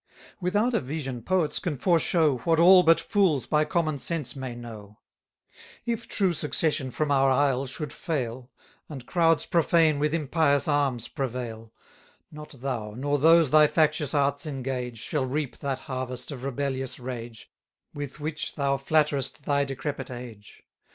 Without a vision poets can foreshow What all but fools by common sense may know: If true succession from our isle should fail, And crowds profane with impious arms prevail, 290 Not thou, nor those thy factious arts engage, Shall reap that harvest of rebellious rage, With which thou flatterest thy decrepit age.